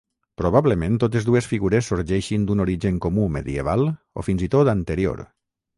Probablement totes dues figures sorgeixin d'un origen comú medieval o fins i tot anterior.